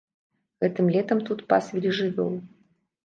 Гэтым летам тут пасвілі жывёлу.